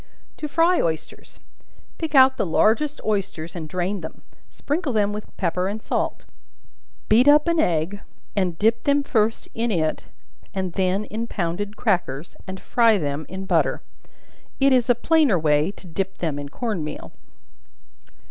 To Fry Oysters. Pick out the largest oysters and drain them; sprinkle them with pepper and salt; beat up an egg, and dip them first in it, and then in pounded crackers, and fry them in butter. It is a plainer way to dip them in corn meal.